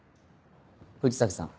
藤崎さん